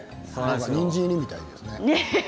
にんじんみたいですね。